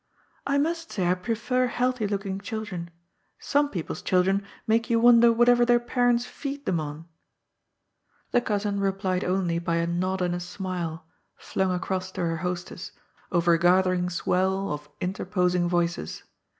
"I must say I prefer healthy looking children. Some people's children make you wonder whatever their parents feed them on !" The cousin replied only by a nod and a smile, flung across to her hostess, over a gathering swell of interposing voices.